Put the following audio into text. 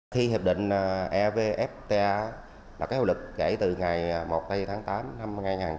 thi hiệp định evfta là cái hội lực kể từ ngày một tháng tám năm hai nghìn hai mươi